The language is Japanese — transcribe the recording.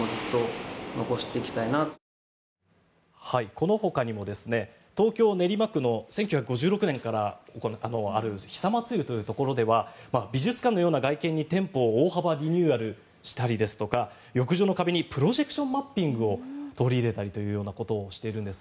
このほかにも東京・練馬区の１９５６年からある久松湯というところでは美術館のような外見に店舗を大幅リニューアルしたりですとか浴場の壁にプロジェクションマッピングを取り入れたりということをしているんです。